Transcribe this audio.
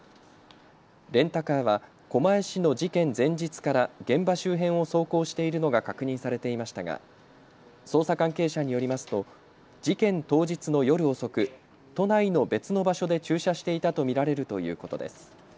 レンタカーは狛江市の事件前日から現場周辺を走行しているのが確認されていましたが捜査関係者によりますと事件当日の夜遅く、都内の別の場所で駐車していたと見られるということです。